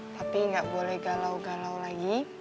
papi gak boleh galau galau lagi